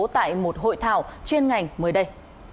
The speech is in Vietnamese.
tại một hội thảo chuyên ngành mới đây